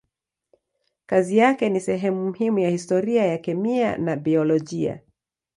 Kazi yake ni sehemu muhimu ya historia ya kemia na biolojia.